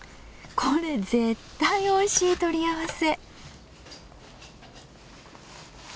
これ絶対おいしい取り合わせ！